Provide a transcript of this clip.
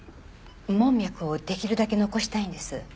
門脈をできるだけ残したいんです。